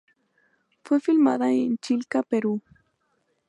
Fue filmada en Chilca, Perú.